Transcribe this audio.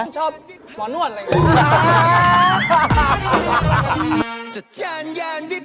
ชอบหมอนว่อนเลย